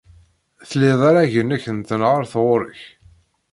Tlid arrag-nnek n tenhaṛt ɣer-k.